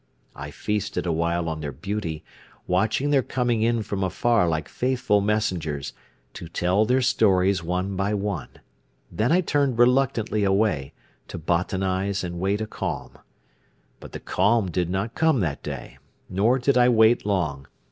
I feasted awhile on their beauty, watching their coming in from afar like faithful messengers, to tell their stories one by one; then I turned reluctantly away, to botanize and wait a calm. But the calm did not come that day, nor did I wait long.